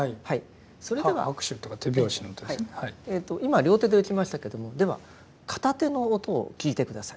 それでは今両手で打ちましたけどもでは片手の音を聞いて下さい。